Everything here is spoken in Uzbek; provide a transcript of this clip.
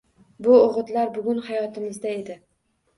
Bu o‘gitlar bugun hayotimizda edi.